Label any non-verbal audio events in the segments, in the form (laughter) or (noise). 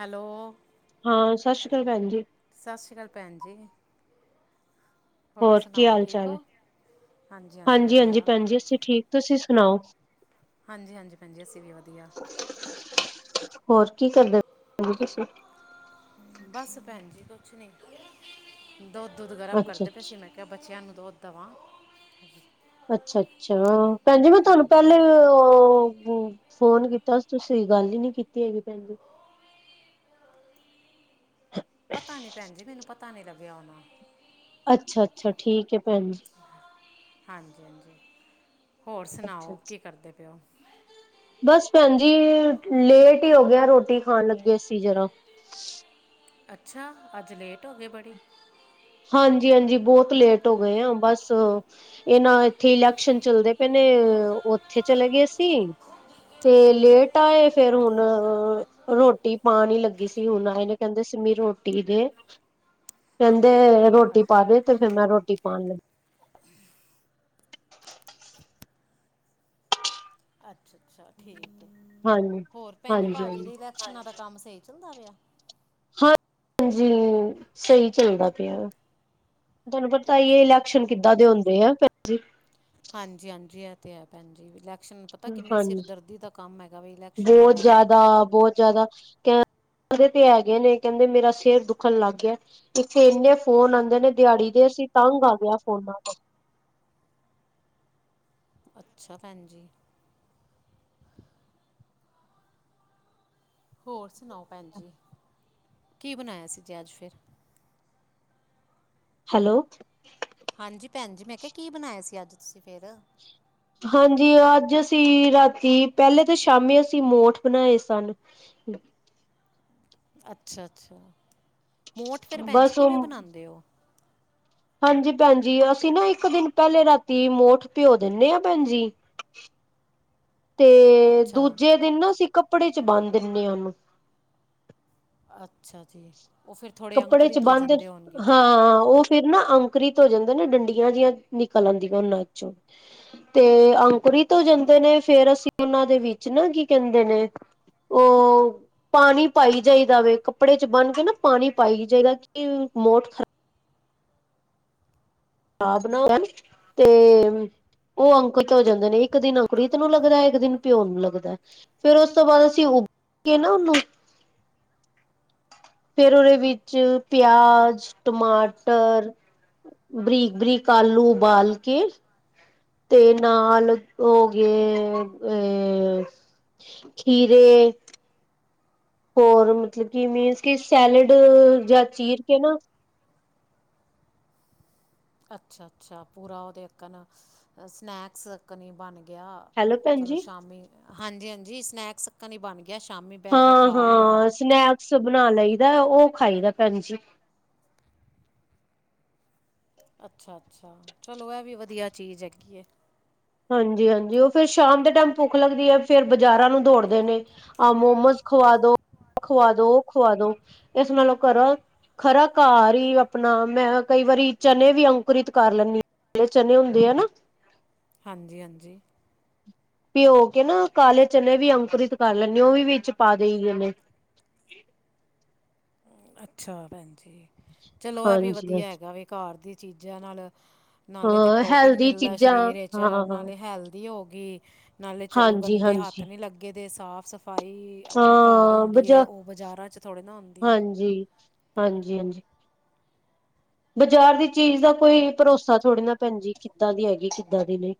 Hello, ਹਾਂ, ਸਾਸਰੀ ਕਾਲ ਭੈਣ ਜੀ। ਸਾਸਰੀ ਕਾਲ ਭੈਣ ਜੀ। ਹੋਰ ਕੀ ਸੁਣਾਓ ਹਾਲ ਠੀਕ ਚਾਲ ਏ? ਹੋ? ਹਾਂਜੀ ਹਾਂਜੀ ਹਾਂਜੀ-ਹਾਂਜੀ ਵਧੀਆ ਭੈਣ ਜੀ ਅਸੀਂ ਠੀਕ ਤੁਸੀਂ ਸੁਣਾਓ? ਹਾਂਜੀ-ਹਾਂਜੀ ਭੈਣਜੀ ਅਸੀਂ ਵੀ ਵਧੀਆ। ਹੋਰ ਕੀ ਕਰਦੇ ਭੈਣ ਜੀ ਤੁਸੀਂ? ਬਸ ਭੈਣ ਜੀ ਕੁਛ ਨੀ, ਦੋਧ-ਦੁੱਧ ਗਰਮ ਅੱਛਾ ਅੱਛਾ ਕਰਦੇ ਪਏ ਸੀ ਮੈਂ ਕਿ ਬੱਚਿਆਂ ਨੂੰ ਦੁੱਧ ਦਵਾਂ। ਅੱਛਾ-ਅੱਛਾ ਅ ਭੈਣ ਜੀ ਮੈਂ ਤੁਆਨੂੰ ਹਾਂਜੀ ਪੈਲੇ ਓ ਓ ਫੋਨ ਕੀਤਾ, ਤੁਸੀਂ ਗੱਲ ਈ ਨੀ ਕੀਤੀ ਹੈਗੀ, ਭੈਣ ਜੀ। ਪਤਾ ਨੀ ਭੈਣ ਜੀ, ਮੈਨੂੰ ਪਤਾ ਨੀ ਲੱਗਿਆ ਹੋਨਾ। ਅੱਛਾ, ਅੱਛਾ ਠੀਕ ਏ ਭੈਣਜੀ। ਹਾਂਜੀ, ਹਾਂਜੀ ਹੋਰ ਸੁਨਾਓ, ਕੀ ਕਰਦੇ ਪੇਓ? ਬੱਸ ਭੈਣ ਜੀ ਲੇਟ ਈ ਹੋ ਗਿਐ, ਰੋਟੀ ਖਾਨ ਲੱਗੇ ਸੀ ਜਰਾ ਅੱਛਾ, ਅੱਜ ਲੇਟ ਹੋਗੇ ਬੜੀ। ਹਾਂਜੀ, ਹਾਂਜੀ ਬੋਤ ਲੇਟ ਹੋਗੇਆਂ ਬੱਸ ਏ ਨਾ ਇੱਥੇ ਇਲੈਕਸ਼ਨ ਚੱਲਦੇ ਪਏ ਨੇ, ਓਥੇ ਚਲੇ ਗਏ ਸੀ ਤੇ ਲੇਟ ਆਏ, ਫੇਰ ਹੁਨ ਰੋਟੀ ਪਾਨ ਈ ਲੱਗੀ ਸੀ, ਹੁਨ ਆਏ ਨੇ, ਕੈਂਦੇ ਸਿੰਮੀ ਰੋਟੀ ਦੇ ਤੇ ਰੋਟੀ ਪਾਦੇ, ਤੇ ਫੇਰ ਮੈਂ ਰੋਟੀ ਪਾਨ ਈ ਲੱਗੀ ਅੱਛਾ, ਅੱਛਾ ਠੀਕ ਏ ਹਾਂਜੀ ਹੋਰ ਪੈਂਜੀ, ਹਾਂਜੀ ਭਾਜੀ ਹਾਂਜੀ ਦੇ ਇਲੈਕਨਾਂ ਦਾ ਕੰਮ ਸਈ ਚੱਲਦਾ ਪਿਆ ਹਾਂ ਹਾਂਜੀ, ਸਈ ਚੱਲਦਾ ਪਿਆ ਵਾ। ਤਾਨੂੰ ਪਤਾ ਈ ਏ ਅੱਛਾ ਇਲੈਕਸ਼ਨ ਕਿੱਦਾ ਦੇ ਹੁੰਦੇ ਐ ਭੈਣਜੀ। ਹਾਂਜੀ, ਹਾਂਜੀ ਐ ਤੇ ਐ ਭੈਣਜੀ, ਇਲੈਕਸ਼ਨ ਪਤਾ ਕਿੰਨੀ ਹਾਂਜੀ ਸਿਰਦਰਦੀ ਦਾ ਕੰਮ ਹੈਗਾ ਵੇ, ਇਲੈਕਸ਼ਨਾਂ ਵਾਲਾ ਵੀ ਤਾ ਬੋਤ ਜਾਦਾ ਕੈ ਕੈਂਦੇ ਤੇ ਹੈਗੇ ਨੇ, ਕੈਂਦੇ ਮੇਰਾ ਸਿਰ ਦੁਖਨ ਲੱਗ ਗਿਆ ਇੱਥੇ ਏਨੇ ਫੋਨ ਆਂਦੇ ਨੇ ਦਿਆੜੀ ਦੇ, ਅਸੀ ਤੰਗ ਆਗੇ ਆ ਫੋਨਾਂ ਤੋਂ। ਅੱਛਾ, ਭੈਣਜੀ। ਹੋਰ ਸੁਨਾਓ ਭੈਣਜੀ, ਕੀ ਬਨਾਯਾ ਸੀ ਜੇ ਅੱਜ, ਫੇਰ? ਹੈਲੋ। ਹਾਂਜੀ, ਭੈਣ ਜੀ, ਮੈਂ ਕਿਆ ਕੀ ਬਨਾਇਆ ਸੀ, ਅੱਜ ਤੁਸੀ ਫੇਰ? ਹਾਂਜੀ, ਅੱਜ ਅਸੀ ਰ੍ਹਾਤੀ ਪਹਿਲੇ ਤੇ ਸ਼ਾਮੀ ਅਸੀ ਮੋਠ ਬਨਾਏ ਸਨ। ਅੱਛਾ-ਅੱਛਾ, ਮੋਠ ਫੇਰ ਭੈਣ ਜੀ, ਬਸ ਕਿਵੇਂ ਉਹ ਬਨਾਂਦੇ ਓ? ਹਾਂਜੀ, ਭੈਣ ਜੀ, ਅਸੀ ਨਾ ਇੱਕ ਦਿਨ ਪਹਿਲੇ ਰ੍ਹਾਤੀ ਮੋਠ ਭਿਂਓ ਦੇਨੇ ਆ, ਪੈਂਜੀ ਤੇ, ਅੱਛਾ ਦੂਜੇ ਦਿਨ ਨਾ ਅਸੀ ਕੱਪੜੇ'ਚ ਬੰਨ ਦਿੰਨੇ ਆ ਓਹਨੂੰ। ਅੱਛਾ ਜੀ। ਉਹ ਫਿਰ ਥੋੜ੍ਹੇ ਕੱਪੜੇ'ਚ ਅੰਕੁਰਿਤ ਹੋ ਬੰਨ‌ਦੇਨ? ਜਾਂਦੇ ਹੋਣਗੇ ਹਾਂ, ਓ ਫੇਰ ਨਾ ਅੰ ਅੰਕੁਰੀਤ ਹੋ ਜਾਂਦੇ ਨੇ, ਡੰਡੀਆਂ ਜੀਆਂ ਨਿਕਲ ਆਂਦੀਆ ਓਨਾਂ'ਚੋਂ ਤੇ ਅੰਕੁਰੀਤ ਹੋ ਜਾਂਦੇ ਨੇ, ਫੇਰ ਅਸੀ ਓਨਾਂ ਦੇ ਵਿੱਚ ਨਾ, ਕੀ ਕਹਿੰਦੇ ਨੇ ਓ ਪਾਣੀ ਪਾਈ ਜਾਈਦਾ ਵੇ, ਕੱਪੜੇ'ਚ ਬੰਨਕੇ ਨਾ ਪਾਣੀ ਪਾਈ ਜਾਈਦਾ ਕਿ, ਮੋਠ ਖਰਾ ਖਰਾਬ ਨਾ ਹੋ ਜਾਣ, ਤੇ ਓ ਅੰਕਰਿਤ ਹੋ ਜਾਂਦੇ ਨੇ, ਇੱਕ-ਦਿਨ ਅੰਕੁਰੀਤ ਨੂੰ ਲੱਗਦਾ, ਇੱਕ-ਦਿਨ ਭਿਓਨ ਨੂੰ ਲੱਗਦਾ ਐ। ਫਿਰ ਉਸ ਤੋਂ ਬਾਅਦ ਅਸੀ ਉਗਕੇ ਨਾ, ਓਹਨੂੰ ਫੇਰ ਓਰੇ ਵਿੱਚ ਪਿਆਜ, ਟਮਾਟਰ ਬਰੀਕ-ਬਰੀਕ ਆਲੂ ਉਬਾਲਕੇ ਤੇ ਨਾਲ ਓ ਹੋ ਗਏ, ਏ ਖੀਰੇ ਹੋਰ ਮਤਲਬ ਕਿ, ਮੀੰਨਸ ਕੀ ਸੈਲਡ ਜਾ ਚੀਰਕੇ ਨਾ ਅੱਛਾ-ਅੱਛਾ, ਪੂਰਾ ਓਹਦੇ ਅੱਕਨ, ਅ ਸਨੈਕਸ ਅੱਕਨ ਈ ਬਨ ਗਇਆ‌। ਹੈਲੋ ਭੈਣ ਚਲੋ ਜੀ ਸ਼ਾਮੀ, ਹਾਂਜੀ-ਹਾਂਜੀ, ਸਨੈਕਸ ਅੱਕਨ ਈ ਬਨਗਿਆ, ਸ਼ਾਮੀ ਬੈਕੇ ਖਾਲਿਆ। ਸਬ ਬਨਾ ਲਈ ਦਾ, ਓ ਖਾਈਦਾ ਪੈਂਜੀ। ਅੱਛਾ-ਅੱਛਾ, ਚਲੋ ਐ ਵੀ ਵਧੀਆ ਚੀਜ਼ ਹੈਗੀ ਏ। ਹਾਂਜੀ-ਹਾਂਜੀ, ਓ ਫੇਰ ਸ਼ਾਮ ਦੇ ਟੈਮ ਭੁੱਖ ਲੱਗਦੀ ਏ, ਫੇਰ ਬਜ਼ਾਰਾਂ ਨੂੰ ਦੌੜਦੇ ਨੇ ਆ ਮੋਮੋਜ਼ ਖਵਾਦੋ, ਆ ਖਵਾਦੋ, ਓ ਖਵਾਦੋ ਏਸ ਨਾਲੋ ਘਰੋਂ ਖਰਾ ਘਰ ਈ ਅਪਨਾ, 'ਮੈਂ'ਕਈ ਵਾਰੀ ਚਨੇ ਵੀ ਅੰਕੁਰੀਤ ਕਰ ਲੈਂਨੀ ਜਿਹੜੇ ਚਨੇ ਹੁੰਦੇ ਆ, ਨਾ। ਹਾਂਜੀ‌-ਹਾਂਜੀ। ਭਿਓਕੇ ਨਾ ਕਾਲੇ ਚਨੇ ਵੀ ਅੰਕੁਰੀਤ ਕਰ ਲੈਨੀ ਆ, ਓ ਵੀ ਵਿੱਚ ਪਾ ਦੇਈਏ ਨੇ। ਅੱਛਾ, ਭੈਣ ਜੀ ਚਲੋ, ਐ ਵੀ ਹਾਂਜੀ ਵਧੀਆ ਹਾਂਜੀ ਹੈਗਾ ਵੇ ਘਰ ਦੀ ਚੀਜ਼ਾਂ ਨਾਲ ਨਾਲੇ ਤਾਂ ਹਾਂ ਪ੍ਰੋਟੀਨ ਹੈਲਦੀ ਮਿਲਦਾ ਚੀਜ਼ਾਂ ਸ਼ਰੀਰ ਵਿੱਚ, ਹਾਂ ਨਾਲੇ ਹੈਲਦੀ ਹੋਗੀ। ਨਾਲੇ ਚਲੋ ਹਾਂਜੀ ਗੰਦੇ ਹੱਥ ਹਾਂਜੀ ਨੀ ਲੱਗੇਦੇ ਸਾਫ਼ ਸ ਸਫਾਈ ਆਪਣੇ ਘਰ ਹਾਂ ਹੁੰਦੀ ਏ, ਓ ਬਜ਼ਾਰਾਂ'ਚ ਥੋੜ ਨਾ ਹੁੰ ਹਾਂਜੀ-ਹਾਂਜੀ, ਹਾਂਜੀ। ਬਜ਼ਾਰ ਦੀ ਚੀਜ਼ ਦਾ ਕੋਈ ਭਰੋਸਾ ਥੋੜ੍ਹੀ ਨਾ ਭੈਣ ਜੀ, ਕਿੱਦਾਂ ਦੀ ਹੈਗੀ, ਕਿੱਦਾਂ ਦੀ ਨਈ।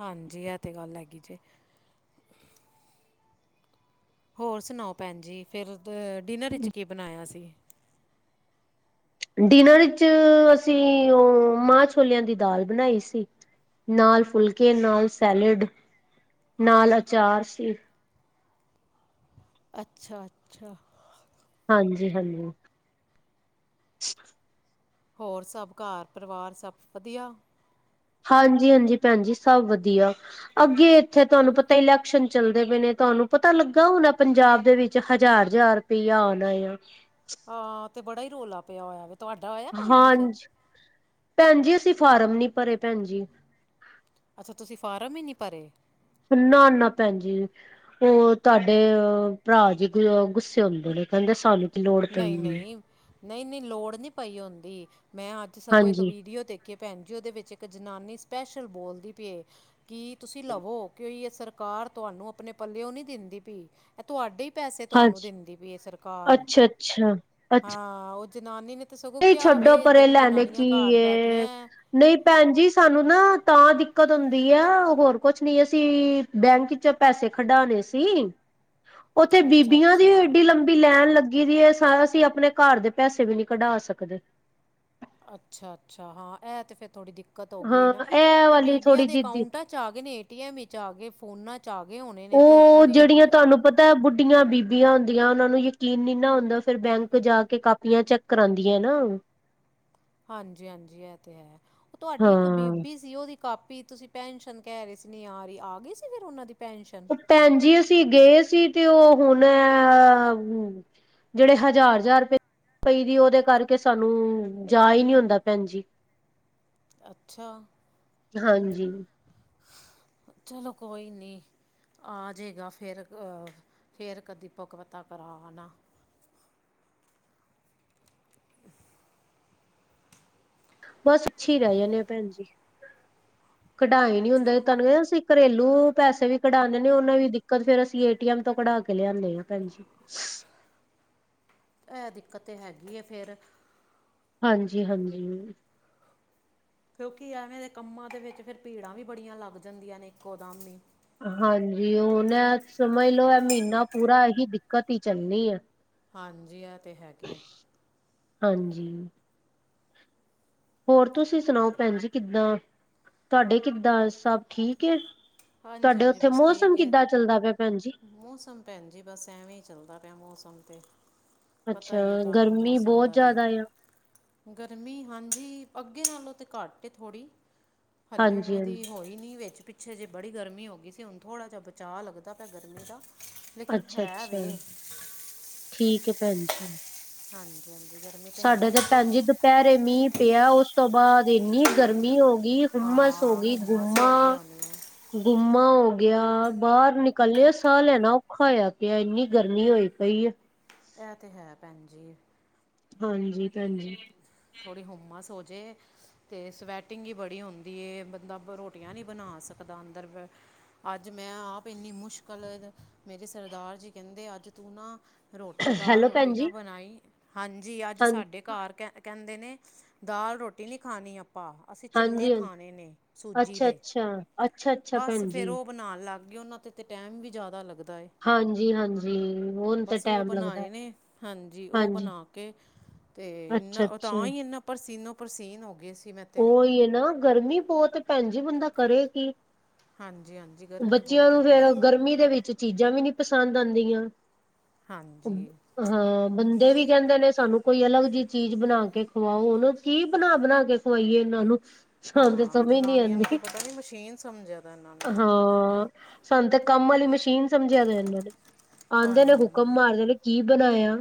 ਹਾਂਜੀ, ਐ ਤੇ ਗੱਲ ਹੈਗੀ ਜੇ। ਹੋਰ ਸੁਣਾਓ ਭੈਣ ਜੀ, ਫੇਰ ਦ ਡੀਨਰ ਵਿੱਚ ਕੀ ਬਣਾਇਆ ਸੀ? ਡਿਨਰ ਈੱ'ਚ, ਅਸੀ ਓ ਮਾਂ, ਛੋਲਿਆਂ ਦੀ ਦਾਲ ਬਣਾਈ ਸੀ। ਨਾਲ ਫੁਲਕੇ, ਨਾਲ ਸੈਲੇਡ, ਨਾਲ ਅਚਾਰ ਸੀ। ਅੱਛਾ-ਅੱਛਾ। ਹਾਂਜੀ-ਹਾਂਜੀ। ਹੋਰ ਸਭ, ਘਰ-ਪਰਿਵਾਰ ਸਭ ਵਧੀਆ? ਹਾਂਜੀ-ਹਾਂਜੀ ਭੈਣ ਜੀ, ਸਭ ਵਧੀਆ। ਅੱਗੇ ਇੱਥੇ ਤੁਹਾਨੂੰ ਪਤਾ ਇਲੈਕਸ਼ਨ ਚੱਲਦੇ ਪਏ ਨੇ, ਤੁਹਾਨੂੰ ਪਤਾ ਲੱਗਾ ਹੋਣਾ ਪੰਜਾਬ ਦੇ ਵਿੱਚ, ਹਜ਼ਾਰ-ਹਜ਼ਾਰ ਰਪਈਆ ਆਓਣਾ ਯਾ। ਹਾਂ, ਤੇ ਬੜਾ ਈ ਰੋਲਾ ਪਿਆ ਹੋਇਆ ਵੇ। ਤੁਹਾਡਾ ਹੋਇਆ ਭੈਣ ਜੀ ਫਿਰ ਹਾਂਜੀ, ਭੈਣ ਜੀ, ਅਸੀ ਫਾਰਮ ਨੀ ਭਰੇ, ਭੈਣ ਜੀ। ਅੱਛਾ ਤੁਸੀ ਫਾਰਮ ਈ ਨਈ ਭਰੇ। ਨਾ ਨਾ ਭੈਣ ਜੀ। ਓ ਤੁਹਾਡੇ ਅ ਭਰਾ ਜੀ ਗੁੱਸੇ ਹੁੰਦੇ ਨੇ ਕਹਿੰਦੇ ਸਾਨੂੰ ਕੀ ਲੋੜ ਨਈ ਪਈ ਹੈ। ਨਈ ਨਈ ਨਈ ਲੋੜ ਨੀ ਪਈ ਹੁੰਦੀ ਮੈਂ ਅੱਜ ਸਗੋਂ ਏਕ ਹਾਂਜੀ ਵੀਡੀਓ ਦੇਖੀ ਏ। ਭੈਣ ਜੀ ਓਦੇ ਵਿੱਚ ਇੱਕ ਜਨਾਨੀ ਸਪੈਸ਼ਲ ਬੋਲਦੀ ਪੀਏ ਕਿ ਤੁਸੀ ਲਵੋ ਕਿ ਯ ਸਰ ਰਕਾਰ ਤੁਹਾਨੂੰ ਅਪਣੇ ਪੱਲਿਓ ਨੀ ਦਿੰਦੀ ਪੀ ਐ ਤੁਹਾਡੇ ਈ ਪੈਸੇ ਤੁਹਾਨੂੰ ਹਾਂਜੀ ਦਿੰਦੀ ਪੀ ਏ ਸਰਕਾਰ। ਅੱਛਾ ਅੱਛਾ। ਅੱਛਾ ਹਾਂ ਓ ਜਨਾਨੀ ਨੇ ਤੇ ਸਗੋਂ ਨਹੀਂ ਕਿਆ ਛੱਡੋ ਵੇ ਜੇੜੀ ਜਨਾਨੀਆਂ ਘਰ ਬੈਠੀਆਂ ਐਂ। ਨਈ ਭੈਣ ਜੀ ਸਾਨੂੰ ਨਾ ਤਾਂ ਦਿੱਕਤ ਹੁੰਦੀ ਆ ਹੋਰ ਕੁਛ ਨੀ ਅਸੀ ਬੈਂਕ ਇਚੋ ਪੈਸੇ ਕਡਾਣੇ ਸੀ ਓਥੇ ਅੱਛਾ ਬੀਬੀਆਂ ਦੀ ਅੱਛਾ ਏਡੀ ਲੰਬੀ ਬੀ ਲੈਣ ਲੱਗੀ ਦੀ ਏ ਸ ਅਸੀ ਅਪਣੇ ਘਰ ਦੇ ਪੈਸੇ ਵੀ ਨੀ ਕਢਾ ਸਕਦੇ। ਅੱਛਾ ਅੱਛਾ ਹਾਂ ਐ ਤੇ ਫੇਰ ਥੋੜੀ ਦਿੱਕਤ ਹੋ ਗਈ ਹਾਂ ਏਨਾ ਇਹ ਤੇ ਵਾਲੀ ਬੀਬੀਆਂ ਥੋੜ੍ਹੀ ਦੇ ਜਿਦੀ ਅਕਾਊਂਟਾ ਆ ਗਏ ਨੇ ਏ ਟੀ ਐਮ ਵਿੱਚ ਆ ਗਏ ਫੋਨਾਂ ਚ ਚਾ ਆਗੇ ਹੋਣੇ। ਨੇ ਤੇ ਉੱਥੋਂ ਉਹ ਦੀ ਜਿਹੜੀਆਂ ਤੁਹਾਨੂੰ ਪਤਾ ਤਾਂ ਬੁੱਢੀਆਂ ਬੀਬੀਆਂ ਹੁੰਦੀਆਂ ਉਹਨਾਂ ਨੂੰ ਯਕੀਨ ਨੀ ਨਾ ਹੁੰਦਾ ਫਿਰ ਬੈਂਕ ਜਾ ਕੇ ਕਾਪ ਦੀਆਂ ਚੈੱਕ ਕਰਉਂਦੀਆਂ ਨਾ। ਹਾਂਜੀ ਹਾਂਜੀ ਇਹ ਤੇ ਹੈ ਉਹ ਤੁਹਾਡੀ ਇੱਕ ਹਾਂ ਬੀਬੀ ਸੀ ਉਹਦੀ ਕਾਪੀ ਤੁਸੀਂ ਪੈਨਸ਼ਨ ਕਹਿ ਰਹੇ ਸੀ ਨੀ ਆ ਰਹੀ ਆ ਗਈ ਸੀ ਫਿਰ ਉਹਨਾਂ ਦੀ ਪੈਨਸ਼ਨ! ਉਹ ਭੈਣ ਜੀ ਅਸੀਂ ਗਏ ਸੀ ਤੇ ਉਹ ਹੁਣ ਅ, ਜਿਹੜੇ ਹਜ਼ਾਰ ਹਜ਼ਾਰ ਰੁਪਏ! ਪਈ ਦੀ ਓਦੇ ਕਰਕੇ ਸਾਨੂੰ ਜਾ ਈ ਨੀ ਹੁੰਦਾ ਭੈਣ ਜੀ। ਅੱਛਾ। ਹਾਂਜੀ (inaudible) ਚਲੋ ਕੋਈ ਨੀ। ਆ ਜੇਗਾ ਫੇਰ ਅ ਫੇਰ ਕਦੀ ਭਕਵਤਾ ਕਰਾਵਾ ਨਾ ਬਸ ਅੱਛੀ ਈ ਰਹਿ ਜਾਂਨੇ ਆਂ ਭੈਣ ਜੀ ਕਢਾਏ ਨੀ ਹੁੰਦਾ ਤਹਾਨੂੰ ਕ ਅਸੀਂ ਘਰੇਲੂ ਪੈਸੇ ਵੀ ਕਢਾਣ ਜਾਨੇ ਓਨਾਂ ਵੀ ਦਿ ਕ ਫੇਰ ਅਸੀ ਏ ਟੀ ਐਮ ਤੋਂ ਕਢਾ ਕੇ ਲਿਆਨੇ ਆਂ ਭੈਣ ਜੀ। ਐ ਦਿੱਕਤ ਤੇ ਹੈਗੀ ਏ ਫੇਰ ਹਾਂਜੀ ਹਾਂਜੀ। ਕਿਉਂਕਿ ਐਵੇਂ ਦੇ ਕੰਮਾਂ ਦੇ ਵਿੱਚ ਫਿਰ ਭੀੜਾਂ ਵੀ ਬੜੀਆਂ ਲੱਗ ਜਾਂਦੀਆਂ ਨੇ ਇੱਕੋ ਦਮ ਈ ਹਾਂਜੀ ਉਹ ਨਾ ਸਮਝ ਲਓ ਇਹ ਮਹੀਨਾ ਪੂਰਾ ਇਹੀ ਦਿੱਕਤ ਹੀ ਚੱਲਣੀ ਹੈ। ਹਾਂਜੀ ਆ ਤਾਂ ਹੈਗੇ ਆ ਹਾਂਜੀ। ਹੋਰ ਤੁਸੀਂ ਸੁਣਾਓ ਭੈਣ ਜੀ ਕਿੱਦਾਂ ਤੁਹਾਡੇ ਕਿੱਦਾਂ ਸਭ ਠੀਕ ਹੈ। ਹਾਂਜੀ ਤੁਹਾਡੇ ਹਾਂਜੀ ਉੱਥੇ ਬਸ ਮੌਸਮ ਠੀਕ ਹੈ ਕਿੱਦਾਂ ਚੱਲਦਾ ਪਿਆ ਭੈਣ ਜੀ। ਮੌਸਮ। ਭੈਣ ਜੀ ਬਸ ਐਵੇਂ ਹੀ ਚੱਲਦਾ ਪਿਆ ਮੌਸਮ ਤੇ ਪਤਾ ਅੱਛਾ ਹੀ ਹੈ ਤੁਹਾਨੂੰ ਗਰਮੀ ਮੌਸਮ ਬਹੁਤ ਦਾ ਜ਼ਿਆਦਾ ਆ ਤਾਂ ਗਰਮੀ ਹਾਂਜੀ ਅੱਗੇ ਨਾਲੋਂ ਤਾਂ ਘੱਟ ਥੋੜ੍ਹੀ ਹੱਲੇ ਹਾਂਜੀ ਉਵੇਂ ਦੀ ਹਾਂਜੀ ਹੋਈ ਨੀ ਵਿੱਚ ਪਿੱਛੇ ਜੇ ਬੜੀ ਗਰਮੀ ਹੋ ਗਈ ਸੀ ਹੁਣ ਥੋੜ੍ਹਾ ਜਿਹਾ ਬਚਾਅ ਲੱਗਦਾ ਪਿਆ ਗਰਮੀ ਦਾ ਲੇਕਿਨ ਅੱਛਾ ਹੈ ਅੱਛਾ ਵੇ ਠੀਕ ਹੈ ਭੈਣ ਜੀ। ਹਾਂਜੀ ਹਾਂਜੀ ਗਰਮੀ ਤਾਂ ਹੈਗੀ ਆ। ਦੁਪਿਹਰੇ ਮੀਂਹ ਪਿਆ ਉਸ ਤੋਂ ਬਾਅਦ ਇੰਨੀ ਗਰਮੀ ਹੋ ਗਈ। ਹੁਮਸ ਹੋ ਹਾਂ ਗਈ ਹੁਮਸ ਗੁੰਮਾ ਹੈਗੀ ਹੋਣੀ ਹੈ ਗੁੰਮਾ ਹੋ ਗਿਆ ਬਾਹਰ ਨਿਕਲ ਲਿਆ ਸਾਹ ਲੈਣਾ ਔਖਾ ਹੋਇਆ ਪਿਆ ਇੰਨੀ ਗਰਮੀ ਹੋਈ ਪਈ ਆ। ਇਹ ਤੇ ਹੈ ਭੈਣ ਜੀ। ਹਾਂਜੀ ਭੈਣ ਜੀ। ਥੋੜੀ ਹੁੁੰਮਸ ਹੋ ਜੇ। ਤੇ ਸਵੈਟਿੰਗ ਹੀ ਬੜੀ ਹੁੰਦੀ ਏ ਬੰਦਾ ਰੋਟੀਆਂ ਨੀ ਬਣਾ ਸਕਦਾ ਅੰਦਰ। ਅੱਜ ਮੈਂ ਆਪ ਇੰਨੀ ਮੁਸ਼ਕਲ ਮੇਰੇ ਸਰਦਾਰ ਜੀ ਕਹਿੰਦੇ ਅੱਜ ਤੂੰ ਨਾ। ਰੋਟੀ ਦਾਲ ਹੈਲੋ ਰੋਟੀ ਭੈਣ ਨਾ ਜੀ ਬਣਾਈ। ਹਾਂਜੀ ਅੱਜ ਹਾਂ ਸਾਡੇ ਘਰ ਕ ਕਹਿੰਦੇ ਨੇ ਦਾਲ ਰੋਟੀ ਨਹੀਂ ਖਾਣੀ ਆਪਾਂ। ਅਸੀਂ ਚਿੱਲੇ ਹਾਂਜੀ ਹਾਂਜੀ ਖਾਣੇ ਨੇ ਸੂਜੀ ਅੱਛਾ ਦੇ ਅੱਛਾ ਅੱਛਾ ਅੱਛਾ ਬਸ ਭੈਣ ਜੀ ਫਿਰ ਉਹ। ਬਣਾਉਣ ਲੱਗ ਗਏ ਉਹਨਾਂ ਤੇ ਤਾਂ ਟਾਈਮ ਵੀ ਜ਼ਿਆਦਾ ਲੱਗਦਾ ਏ। ਹਾਂਜੀ, ਹਾਂਜੀ ਉਹਨੂੰ ਤਾਂ ਬਸ ਉਹ ਟੈਮ ਲੱਗਦਾ। ਬਣਾਏ ਨੇ ਹਾਂਜੀ ਉਹ ਬਣਾ ਕੇ ਅਤੇ ਅੱਛਾ ਅੱਛਾ ਤਾਂ ਹੀ ਇਨਾਂ ਪਰਸੀਨੋ ਪਰਸੀਨ ਹੋ ਗਏ ਸੀ। ਮੈਂ ਤੇ ਉਹੀ ਨਾ, ਗਰਮੀ ਬਹੁਤ ਭੈਣ ਜੀ ਬੰਦਾ ਕਰੇ ਕੀ। ਹਾਂਜੀ ਹਾਂਜੀ ਗਰਮੀ ਬੱਚਿਆਂ ਬਹੁਤ ਨੂੰ ਹੈਗੀ ਫਿਰ ਗਰਮੀ ਦੇ ਵਿੱਚ ਚੀਜ਼ਾਂ ਵੀ ਨੀ ਪਸੰਦ ਆਉਂਦੀਆਂ। ਹਾਂਜੀ ਹਾਂ, ਬੰਦੇ ਵੀ ਕਹਿੰਦੇ ਨੇ ਸਾਨੂੰ ਕੋਈ ਅਲੱਗ ਜੀ ਚੀਜ਼ ਬਣਾ ਕੇ ਖਵਾਓ, ਹੁਣ ਕੀ ਬਣਾ ਬਣਾ ਕੇ। ਖਵਾਈਏ ਇਹਨਾਂ ਨੂੰ। ਸਾਨੂੰ ਤੇ ਹਾਂ ਸਮਝ ਨੀ ਜਨਾਨੀਆਂ ਨੂੰ ਤਾਂ ਆਉਂਦੀ, ਪਤਾ ਨਹੀਂ ਮਸ਼ੀਨ ਸਮਝਿਆ ਦਾ ਇਹਨਾਂ ਨੇ ਹਾਂ। ਸਾਨੂੰ ਤੇ ਕੰਮ ਆਲੀ ਮਸ਼ੀਨ ਸਮਝਿਆਂ ਇਹਨਾਂ ਨੇ ਆਉਂਦੇ ਨੇ ਹਾਂਜੀ ਹੁਕਮ ਹਾਂਜੀ ਮਾਰਦੇ ਨੇ। ਕੀ ਬਣਾਇਆ?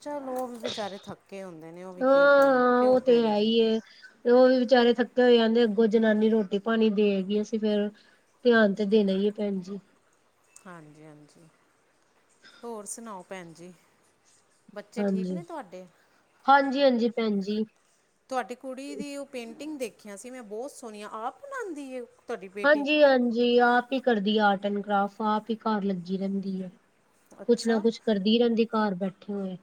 ਚੱਲ ਉਹ ਵੀ ਵਿਚਾਰੇ ਥੱਕੇ ਆਉਦੇ ਨੇ, ਉਹ ਵੀ ਕੀ ਕਰਨ ਕਿਉਂ ਭੈਣ ਜੀ। ਕੇ ਤੇ ਉਹ ਵੀ ਵਿਚਾਰੇ ਥੱਕੇ ਹੋ ਆਂਦੇ ਆ, ਅੱਗੋਂ ਜਨਾਨੀ ਰੋਟੀ ਪਾਣੀ ਦੇਵੈਗੀ, ਅਸੀਂ ਫੇਰ ਧਿਆਨ ਤੇ ਦੇਣਾ ਹੀ ਏ ਭੈਣ ਜੀ। ਹਾਂਜੀ, ਹਾਂਜੀ ਹੋਰ ਸੁਣਾਓ ਭੈਣ ਜੀ? ਬੱਚੇ ਠੀਕ ਹਾਂਜੀ ਨੇ ਤੁਹਾਡੇ? ਹਾਂਜੀ ਹਾਂਜੀ ਭੈਣ ਜੀ ਤੁਹਾਡੀ ਕੁੜੀ ਦੀ ਉਹ ਪੇਂਟਿੰਗ ਦੇਖੀਆਂ ਸੀ ਮੈਂ ਬਹੁਤ ਸੋਹਣੀਆਂ ਆਪ ਬਣਾਉਂਦੀ ਹੈ ਉਹ? ਹਾਂਜੀ ਹਾਂਜੀ ਆਪ ਹੀ ਕਰਦੀ ਹੈ ਆਰਟ ਐਂਡ ਕਰਾਫਟ ਆਪ ਹੀ ਘਰ ਲੱਗੀ ਰਹਿੰਦੀ ਹੈ। ਕੁਛ ਨਾ ਅੱਛਾ ਕੁਛ ਕਰਦੀ ਰਹਿੰਦੀ ਘਰ ਬੈਠੇ ਹੋਏ।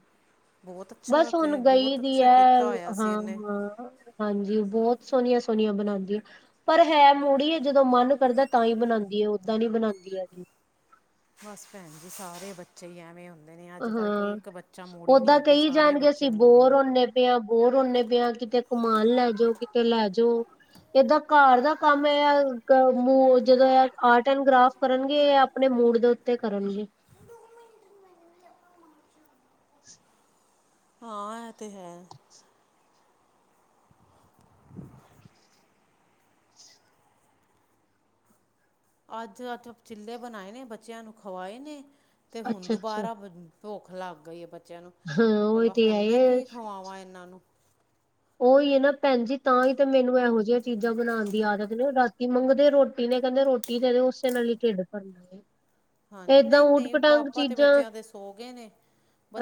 ਬਹੁਤ ਅੱਛਾ ਬਸ ਹੁਣ ਕਿ ਗਈ ਬਹੁਤ ਦੀ ਅੱਛਾ ਹੈ ਕੀਤਾ ਹੋਇਆ ਹਾਂ ਸੀ ਉਹਨੇ ਹਾਂ। ਹਾਂਜੀ ਉਹ ਬਹੁਤ ਸੋਹਣੀਆਂ ਸੋਹਣੀਆਂ ਬਣਾਉਂਦੀਆਂ ਪਰ ਹੈ ਮੁੂੜੀ। ਜਦੋਂ ਮਨ ਕਰਦਾ ਤਾਂ ਹੀ ਬਣਾਉਂਦੀ ਹੈ ਓਦਾਂ ਨੀ ਬਣਾਉਂਦੀ ਹੈ। ਬਸ ਭੈਣ ਜੀ ਸਾਰੇ ਬੱਚੇ ਹੀ ਐਵੇਂ ਹੁੰਦੇ। ਦੇ ਨੇ ਅੱਜ ਕੱਲ ਹਾਂ ਕੋਈ ਇੱਕ ਬੱਚਾ ਮੂੜੀ ਨਹੀਂ ਹੈਗੇ ਸਾਰੇ ਬੱਚੇ ਮੂੜੀ ਨੇ। ਪਿਆ ਬੋਰ ਹੁੰਨੇ ਪਏ ਆ ਕਿਤੇ ਘਮਾਨ ਲੈ ਜਓ ਕਿਤੇ ਲੈ ਜਾਉ। ਏਦਾਂ ਘਰ ਦਾ ਕੰਮ ਹੈ ਜਦੋਂ ਆ ਆਰਟ ਐਂਡ ਕਰਾਫਟ। ਕਰਨਗੇ ਆਪਣੇ ਮੂਡ ਦੇ ਉੱਤੇ ਕਰਨਗੇ। (inaudible) ਹਾਂ, ਇਹ ਤੇ ਹੈ। (inaudible) ਅੱਜ ਅੱਜ ਚਿੱਲੈ ਬਣਾਏ ਨੇ, ਬੱਚਿਆਂ ਨੂੰ ਖਵਾਏ ਨੇ ਤੇ ਹੁਣ ਅੱਛਾ ਅੱਛਾ ਦੁਬਾਰਾ। ਭੁੱਖ ਲੱਗ ਗਈ ਐ ਬੱਚਿਆਂ ਨੂੰ, ਹਾਂ ਉਹੀ ਭੁਲਾ ਤੇ ਹੈ ਹੁਣ ਮੈਂ ਇਹ ਕੀ ਖਵਾਵਾਂ ਇਹਨਾਂ ਨੂੰ। ਉਹ ਏ ਐ ਨਾ ਭੈਣ ਜੀ, ਤਾਂ ਹੀ ਤੇ ਮੈਨੂੰ ਇਹੋ ਜਿਹੀਆਂ ਚੀਜ਼ਾਂ ਬਣਾਉਣ ਦੀ ਆਦਤ ਨਹੀਂ ਹੁਣ ਰਾਤੀ ਮੰਗਦੇ ਰੋਟੀ ਨੇ ਕਹਿੰਦੇ ਰੋਟੀ। ਰੋਟੀ ਦੇ ਦਿਓ ਉਸੇ ਨਾਲ ਹੀ ਢਿੱਡ ਭਰ ਜਾਂਦਾ। ਹਾਂਜੀ, ਨਹੀਂ ਨਹੀਂ ਪਾਪਾ ਤੇ ਬੱਚਿਆਂ ਦੇ ਸੋ ਗਏ ਨੇ।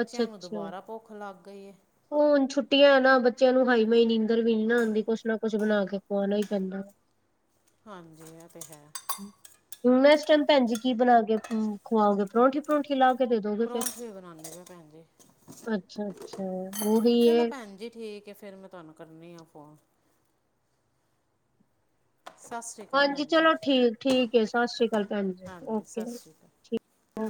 ਅੱਛਾ ਨੂੰ ਅੱਛਾ ਦੁਬਾਰਾ ਭੁੱਖ ਲੱਗ ਗਈ ਐ। ਹੁਣ ਛੁੱਟੀਆਂ ਨਾ ਬੱਚੇ। ਬੱਚਿਆਂ ਨੂੰ ਹਾਈ ਮਈ ਨੀਂਦਰ ਵੀ ਨੀ ਨਾ ਆਉਂਦੀ, ਕੁਛ ਨਾ ਕੁਛ ਬਣਾ ਕੇ ਖਵਾਉਣਾ ਹੀ ਪੈਂਦਾ। ਹਾਂਜੀ, ਇਹ ਤੇ ਹੈ। ਹੁਣ ਐਸ ਟਾਈਮ ਭੈਣ ਜੀ ਕੀ ਬਣਾ ਕੇ ਖੁਵਾਓਗੇ ਪਰੌਂਠੀ? ਪਰੋਂਠੀ ਲਾ ਕੇ ਦੇ ਦੋਗੇ ਫੇਰ, ਪਰੌਂਠੇ ਬਣਾਉਣੇ ਪਏ ਭੈਣ ਜੀ ਅੱਛਾ ਅੱਛਾ। ਉਹੀ ਚਲੋ ਹੈ ਭੈਣ ਜੀ ਠੀਕ ਐ, ਫੇਰ ਮੈਂ ਤੁਹਾਨੂੰ ਕਰਨੀ ਆ ਫੋਨ। ਸਤਿ ਸ਼੍ਰੀ ਅਕਾਲ। ਹਾਂਜੀ ਭੈਣ ਜੀ ਚਲੋ ਠੀਕ ਠੀਕ ਐ, ਸਤਿ ਸ਼੍ਰੀ ਅਕਾਲ ਭੈਣ ਜੀ ਹਾਂਜੀ ਓਕੇ। ਸਤਿ ਸ਼੍ਰੀ ਅਕਾਲ ਓਕੇ।